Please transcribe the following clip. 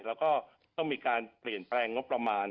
แล้วก็ต้องมีการเปลี่ยนแปลงงบประมาณ